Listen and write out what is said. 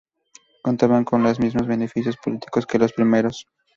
Contaban con los mismos beneficios políticos que los primeros.